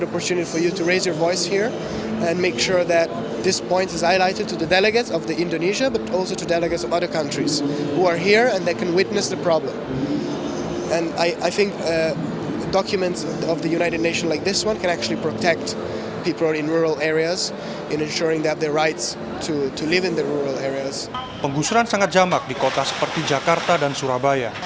pengusuran sangat jamak di kota seperti jakarta dan surabaya